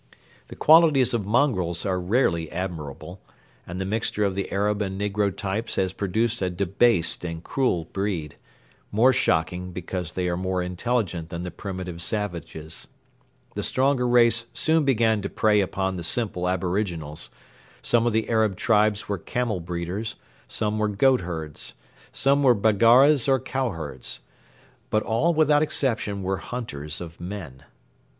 The qualities of mongrels are rarely admirable, and the mixture of the Arab and negro types has produced a debased and cruel breed, more shocking because they are more intelligent than the primitive savages. The stronger race soon began to prey upon the simple aboriginals; some of the Arab tribes were camel breeders; some were goat herds; some were Baggaras or cow herds. But all, without exception, were hunters of men.